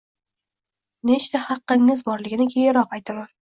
nechta xaqqingiz borligini keyinroq aytaman.